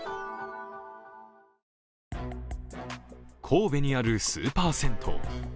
神戸にあるスーパー銭湯。